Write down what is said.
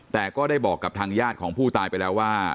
แต่ก็ได้บอกกับทางญาติของผู้ตายไปแล้วว่า